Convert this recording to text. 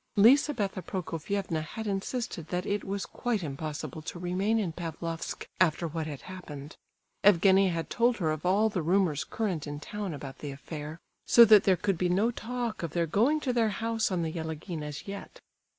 Lizabetha Prokofievna had insisted that it was quite impossible to remain in Pavlofsk after what had happened. Evgenie had told her of all the rumours current in town about the affair; so that there could be no talk of their going to their house on the Yelagin as yet.